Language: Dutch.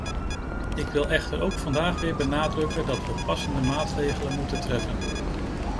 Ik wil echter ook vandaag weer benadrukken dat we passende maatregelen moeten treffen.